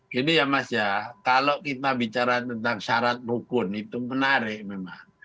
jadi ya mas kalau kita bicara tentang syarat rukun itu menarik memang